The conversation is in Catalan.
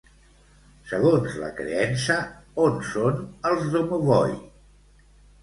Segons la creença, on són els Domovoi?